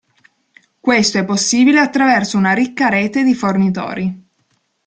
Questo è possibile attraverso una ricca rete di fornitori.